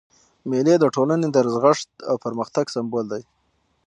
مېلې د ټولني د رغښت او پرمختګ سمبول دي.